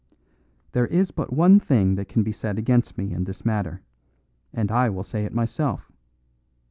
There is but one thing that can be said against me in this matter, and I will say it myself.